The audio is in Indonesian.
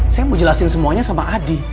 saya mau jelasin semuanya sama adi